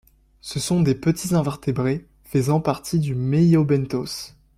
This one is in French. Ce sont de petits invertébrés faisant partie du meiobenthos.